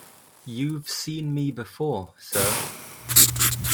‘You’ve seen me before, sir.